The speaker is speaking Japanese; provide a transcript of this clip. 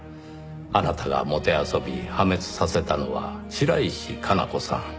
あなたがもてあそび破滅させたのは白石佳奈子さん。